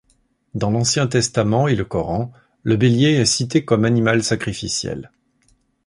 Dans l'Ancien Testament et le Coran, le bélier est cité comme animal sacrificiel.